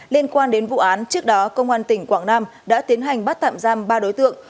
liên quan đến vụ án trước đó công an tỉnh quảng nam đã tiến hành bắt tạm giam ba đối tượng